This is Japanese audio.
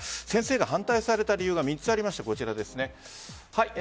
先生が反対された理由が３つありまして、こちらです。